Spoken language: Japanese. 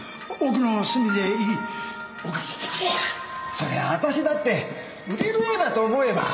そりゃあ私だって売れる絵だと思えば。